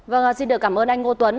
vâng xin được cảm ơn anh ngô tuấn